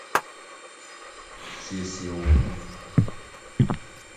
Siesie wo ho.